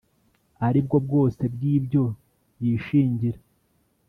aribwo bwose bw ibyo yishingira